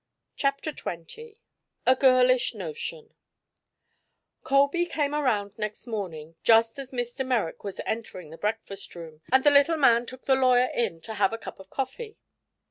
CHAPTER XX A GIRLISH NOTION Colby came around next morning just as Mr. Merrick was entering the breakfast room, and the little man took the lawyer in to have a cup of coffee.